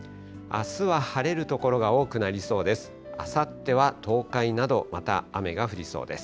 あすは晴れる所が多くなりそうです。